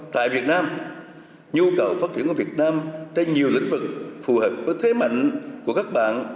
tại việt nam nhu cầu phát triển của việt nam trên nhiều lĩnh vực phù hợp với thế mạnh của các bạn